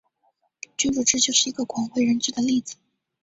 君主制就是一个广为人知的例子。